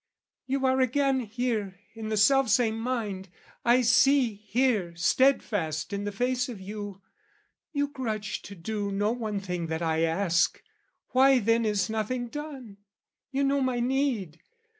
"You are again here, in the self same mind, "I see here, steadfast in the face of you, "You grudge to do no one thing that I ask. "Why then is nothing done? You know my need.